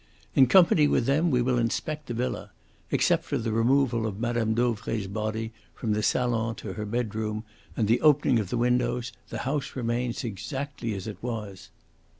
In company with them we will inspect the villa. Except for the removal of Mme. Dauvray's body from the salon to her bedroom and the opening of the windows, the house remains exactly as it was."